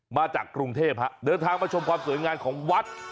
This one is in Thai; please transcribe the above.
มาจากกรุงเทพฮะเดินทางมาชมความสวยงามของวัด